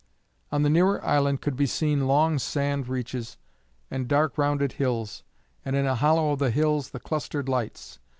On the nearer island could be seen long sand reaches, and dark rounded hills, and in a hollow of the hills the clustered lights.